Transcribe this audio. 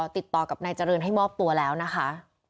ติดต่อกับนายเจริญให้มอบตัวแล้วนะคะ